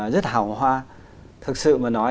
rất hào hoa thực sự mà nói